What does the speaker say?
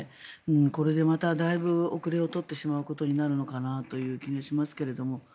これでまた、だいぶ後れを取ってしまうことになるのかなという気がしますけれども。